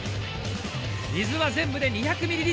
水は全部で２００ｍ。